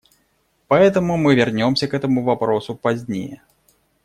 Поэтому мы вернемся к этому вопросу позднее.